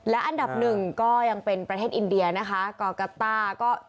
และอันดับหนึ่งก็ยังเป็นประเทศอินเดียนะคะกัตต้าก็